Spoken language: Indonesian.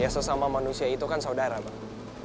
ya sesama manusia itu kan saudara bang